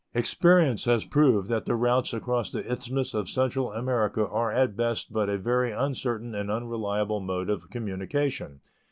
Experience has proved that the routes across the isthmus of Central America are at best but a very uncertain and unreliable mode of communication.